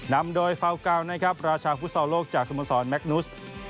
นำโดยเฟ้ากาวน์ราชาฟุตซอลโลกจากสโมสรแมกนุส